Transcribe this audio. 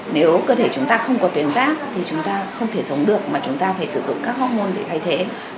nếu cơ thể chúng ta không có tuyến rác thì chúng ta không thể sống được mà chúng ta phải sử dụng các hóc môn để thay thế